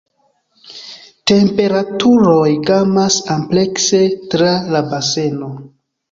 Temperaturoj gamas amplekse tra la baseno.